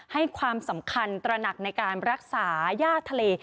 ให้ความสำคัญตระหนักในการรักษาย่าทะเล